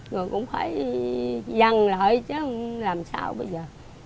rồi cũng thấy văng lại chứ làm sao bây giờ